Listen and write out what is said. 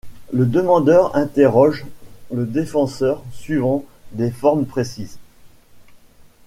Le demandeur interroge le défendeur suivant des formes précises.